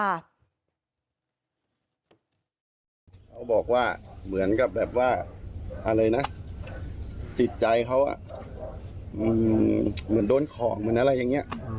เขาบอกว่าเหมือนกับแบบว่าอะไรนะจิตใจเขาเหมือนโดนของเหมือนอะไรอย่างนี้